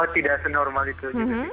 tidak senormal itu